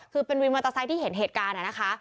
คือเป็นวินมอเตอร์ไซค์ที่เห็นเหตุการณ์นะคะ